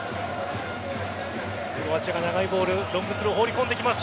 クロアチアが長いボールロングスローを放り込んできます。